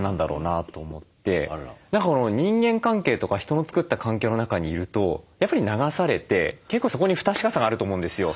何か人間関係とか人の作った環境の中にいるとやっぱり流されて結構そこに不確かさがあると思うんですよ。